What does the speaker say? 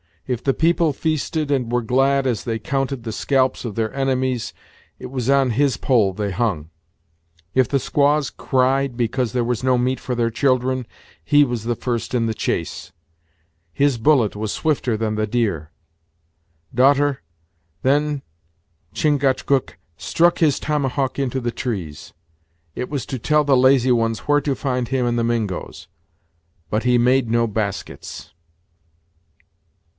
If the people feasted and were glad, as they counted the scalps of their enemies, it was on his pole they hung. If the squaws cried because there was no meat for their children, he was the first in the chase. His bullet was swifter than the deer. Daughter, then Chingachgook struck his tomahawk into the trees; it was to tell the lazy ones where to find him and the Mingoes but he made no baskets."